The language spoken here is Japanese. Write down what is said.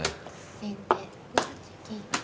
先手６八金。